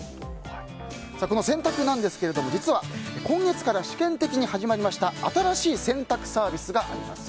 この洗濯なんですけれども実は今月から試験的に始まりました新しい洗濯サービスがあります。